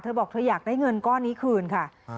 บอกเธออยากได้เงินก้อนนี้คืนค่ะ